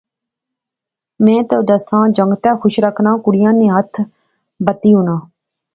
میں تو دساں جنگتے خوش رکھنا کڑیا نی ہتھ بتی ہونی